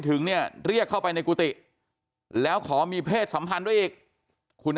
ถึงเนี่ยเรียกเข้าไปในกุฏิแล้วขอมีเพศสัมพันธ์ด้วยอีกคุณ